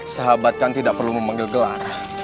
sahabat kan tidak perlu memanggil gelar